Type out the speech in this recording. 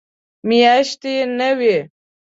میاشتې نه وي.